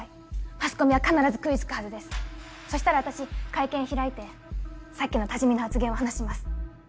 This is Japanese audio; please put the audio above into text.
マスコミは必ず食い付くはずですそしたら私会見開いてさっきの多治見の発言を話します